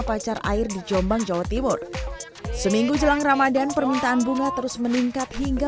pacar air di jombang jawa timur seminggu jelang ramadhan permintaan bunga terus meningkat hingga